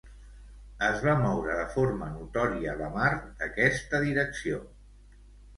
Es va moure de forma notòria la mar d'aquesta direcció.